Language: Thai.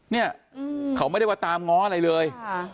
เนี่ยเขาไม่ได้ว่าตามง้ออะไรเลย